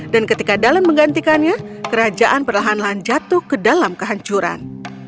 dan ketika dalen menggantikannya kerajaan perlahan lahan jatuh ke dalam kehancuran